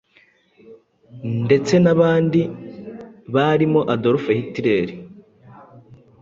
ndetse n’abandi barimo Adolf Hitler